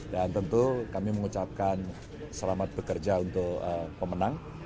dan tentu kami mengucapkan selamat bekerja untuk pemenang